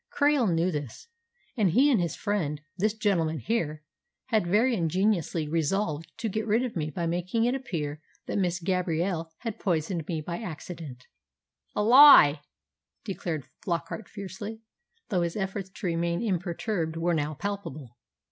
Krail knew this, and he and his friend this gentleman here had very ingeniously resolved to get rid of me by making it appear that Miss Gabrielle had poisoned me by accident." "A lie!" declared Flockart fiercely, though his efforts to remain imperturbed were now palpable.